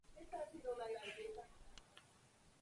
Reconocida como "La Voz del Istmo".